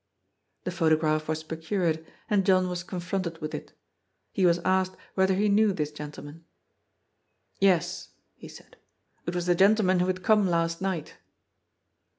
The photograph was procured, and John was confronted with it. He was asked whether he knew this gentleman. " Yes," he said. " It was the gentleman who had come last night."